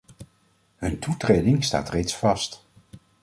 Hun toetreding staat reeds vast.